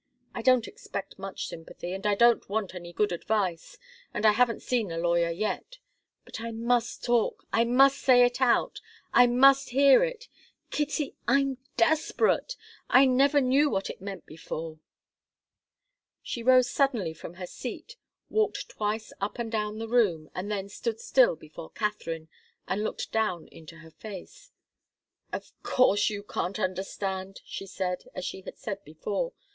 I don't expect much sympathy, and I don't want any good advice and I haven't seen a lawyer yet. But I must talk I must say it out I must hear it! Kitty I'm desperate! I never knew what it meant before." She rose suddenly from her seat, walked twice up and down the room, and then stood still before Katharine, and looked down into her face. "Of course you can't understand," she said, as she had said before.